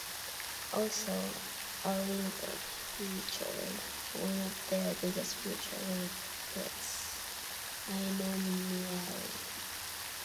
Also, "Aurinko" featured one of their biggest future live hits, "Ainomieli".